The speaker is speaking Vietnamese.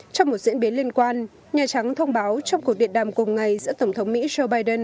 trong một diễn biến liên quan nhà trắng thông báo trong cuộc điện đàm cùng ngày giữa tổng thống mỹ joe biden